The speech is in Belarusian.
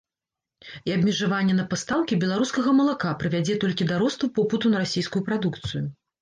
І абмежаванне на пастаўкі беларускага малака прывядзе толькі да росту попыту на расійскую прадукцыю.